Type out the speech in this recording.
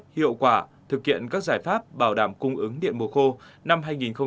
hiệu quả thực hiện các giải pháp bảo đảm cung ứng điện mùa khô năm hai nghìn hai mươi